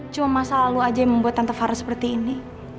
cuma masa lalu aja yang membuat tentara seperti ini